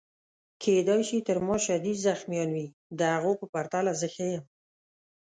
کیدای شي تر ما شدید زخمیان وي، د هغو په پرتله زه ښه یم.